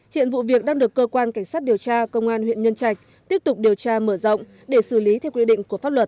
hiện vụ việc đang được cơ quan cảnh sát điều tra công an huyện nhân trạch tiếp tục điều tra mở rộng để xử lý theo quy định của pháp luật